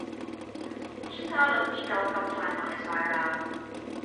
啲沙律邊有咁快賣晒呀